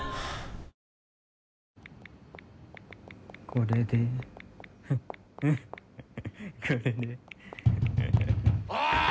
これでフフッこれでおい！